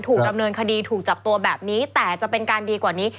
ถูกดำเนินคดีถูกจับตัวแบบนี้แต่จะเป็นการดีกว่านี้